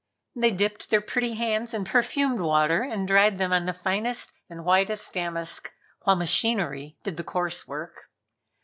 They dipped their pretty hands in perfumed water and dried them on the finest and whitest damask, while machinery did the coarse work.